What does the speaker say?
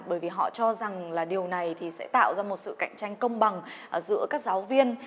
bởi vì họ cho rằng là điều này thì sẽ tạo ra một sự cạnh tranh công bằng giữa các giáo viên